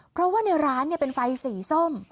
เพราะว่าในร้านเป็นไฟสีส้ม